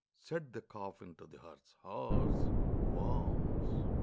Said the coffin to the hearse horse, "Worms!"